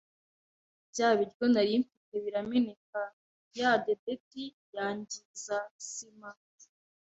bya biryo nari mfite birameneka ya dedeti yangiza sima